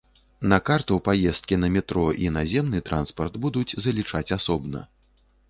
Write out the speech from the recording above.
На картку паездкі на метро і наземны транспарт будуць залічаць асобна.